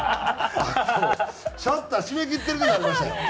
シャッター閉め切ってる時ありましたよ。